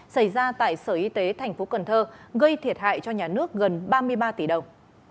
xảy ra tại sở y tế tp cn gây thiệt hại cho nhà nước gần ba mươi ba tỷ đồng